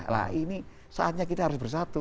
nah ini saatnya kita harus bersatu